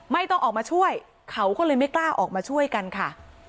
ไม่ต้องออกมาช่วยเขาก็เลยไม่กล้าออกมาช่วยกันค่ะ